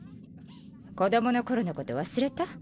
子どもの頃のこと忘れた？